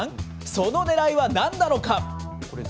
そのねらいは何なのか。